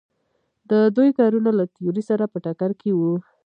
د دوی کارونه له تیورۍ سره په ټکر کې وو.